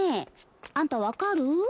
あんたわかる？